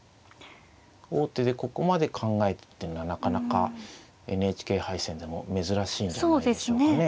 王手でここまで考えてっていうのはなかなかＮＨＫ杯戦でも珍しいんじゃないでしょうかね。